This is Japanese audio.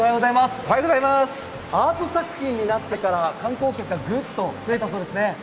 アート作品になってから観光客がぐっと増えたそうですね。